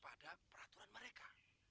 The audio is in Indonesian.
sudah tunduk kepada peraturan mereka